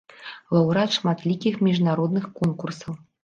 Лаўрэат шматлікіх міжнародных конкурсаў.